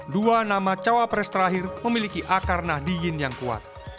dua nama cawapres terakhir memiliki akar nahdiyin yang kuat